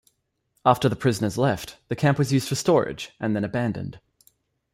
After the prisoners left, the camp was used for storage and then abandoned.